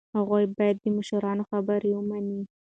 هغوی باید د مشرانو خبره ومني.